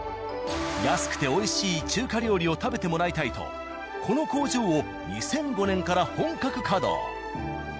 安くて美味しい中華料理を食べてもらいたいとこの工場を２００５年から本格稼働。